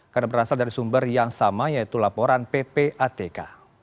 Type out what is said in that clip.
karena berasal dari sumber yang sama yaitu laporan ppatk